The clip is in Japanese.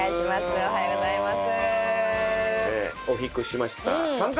おはようございます。